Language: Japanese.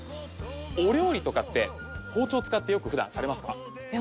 お料理とかって包丁を使ってよく普段されますか？